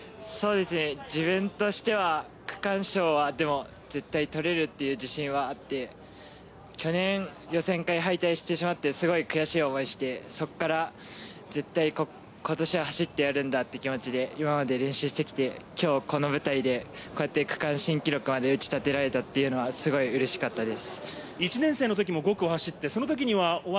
自分としては区間賞は取れる自信があって、去年、予選会に敗退してしまって、悔しい思いをして、そこから絶対今年は走ってやるんだという気持ちで練習してきて今日この舞台で区間新記録まで打ち立てられたというのは、すごく嬉しいです。